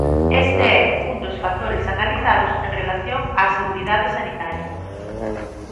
Este é un dos factores analizados en relación á seguridade sanitaria.